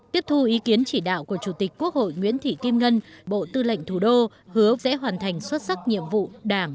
tiếp thu ý kiến chỉ đạo của chủ tịch quốc hội nguyễn thị kim ngân bộ tư lệnh thủ đô hứa sẽ hoàn thành xuất sắc nhiệm vụ đảng